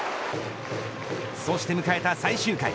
そして迎えた最終回。